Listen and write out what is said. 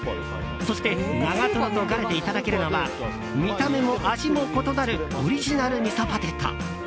そして、長瀞とガレでいただけるのは見た目も味も異なるオリジナルミソポテト！